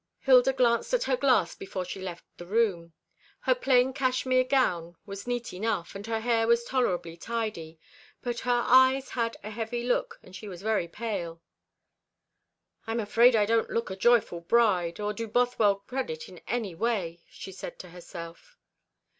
Hilda glanced at her glass before she left the room. Her plain cashmere gown was neat enough, and her hair was tolerably tidy, but her eyes had a heavy look, and she was very pale. "I'm afraid I don't look a joyful bride, or do Bothwell credit in any way," she said to herself.